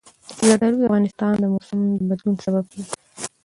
زردالو د افغانستان د موسم د بدلون سبب کېږي.